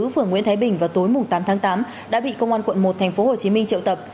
phường nguyễn thái bình vào tối tám tháng tám đã bị công an quận một tp hcm triệu tập